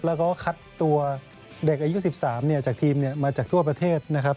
แล้วก็คัดตัวเด็กอายุ๑๓จากทีมมาจากทั่วประเทศนะครับ